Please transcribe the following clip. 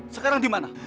sekarang di mana